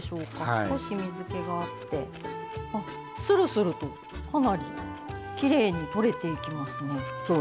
少し水けがあってするすると、かなりきれいにとれていきますね。